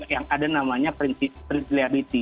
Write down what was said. yang ada namanya principi tripliabiti